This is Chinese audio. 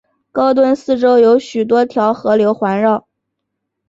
高墩四周有多条河流环绕。